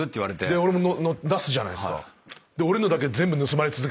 で俺も出すじゃないっすか。